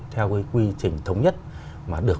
theo cái quy trình thống nhất mà được